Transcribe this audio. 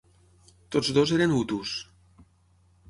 Tots dos eren hutus.